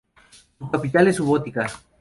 Su capital es Subotica.